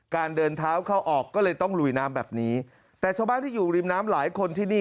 เดินเท้าเข้าออกก็เลยต้องลุยน้ำแบบนี้แต่ชาวบ้านที่อยู่ริมน้ำหลายคนที่นี่